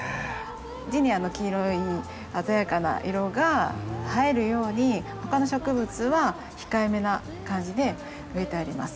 ジニアの黄色い鮮やかな色が映えるように他の植物は控えめな感じで植えてあります。